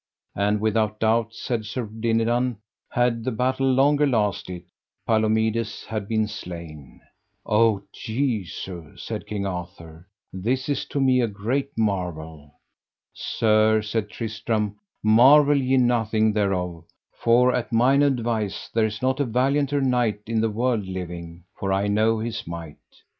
And without doubt, said Sir Dinadan, had the battle longer lasted, Palomides had been slain. O Jesu, said King Arthur, this is to me a great marvel. Sir, said Tristram, marvel ye nothing thereof, for at mine advice there is not a valianter knight in the world living, for I know his might.